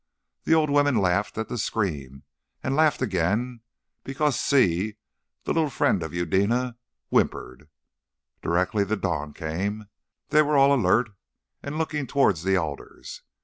The old woman laughed at the scream, and laughed again because Si, the little friend of Eudena, whimpered. Directly the dawn came they were all alert and looking towards the alders.